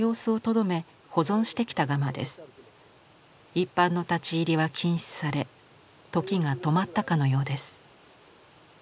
一般の立ち入りは禁止され時が止まったかのようです。